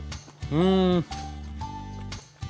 うん。